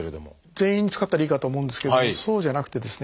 全員に使ったらいいかと思うんですけどもそうじゃなくてですね